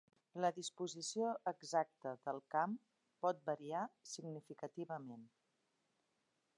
La disposició exacta del camp pot variar significativament.